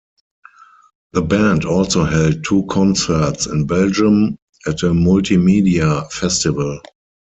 The band also held two concerts in Belgium at a multimedia festival.